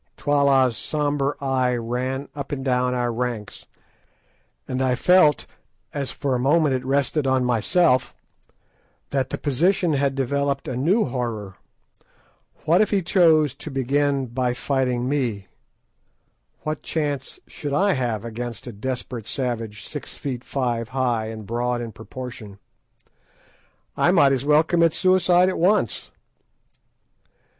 Twala's sombre eye ran up and down our ranks, and I felt, as for a moment it rested on myself, that the position had developed a new horror. What if he chose to begin by fighting me? What chance should I have against a desperate savage six feet five high, and broad in proportion? I might as well commit suicide at once.